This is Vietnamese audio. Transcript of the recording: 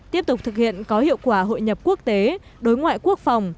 tiếp tục thực hiện có hiệu quả hội nhập quốc tế đối ngoại quốc phòng